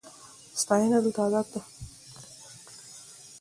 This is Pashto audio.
ستاینه دلته عادت ده.